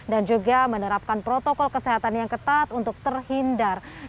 dan juga menerapkan protokol kesehatan yang ketat untuk terhindar dari penyakit